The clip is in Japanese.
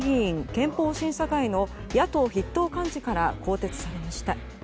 憲法審査会の野党筆頭幹事から更迭されました。